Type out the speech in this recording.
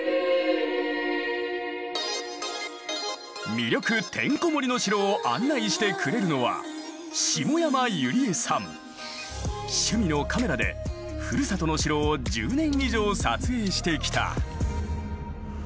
魅力てんこ盛りの城を案内してくれるのは趣味のカメラでふるさとの城を１０年以上撮影してきた。